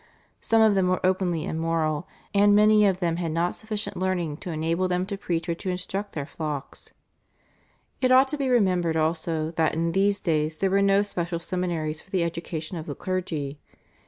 Some of them were openly immoral, and many of them had not sufficient learning to enable them to preach or to instruct their flocks. It ought to be remembered also that in these days there were no special seminaries for the education of the clergy.